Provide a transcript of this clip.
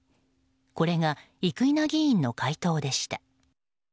これが生稲議員の回答でした。